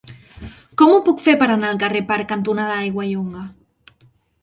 Com ho puc fer per anar al carrer Parc cantonada Aiguallonga?